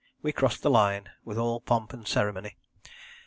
we crossed the Line with all pomp and ceremony.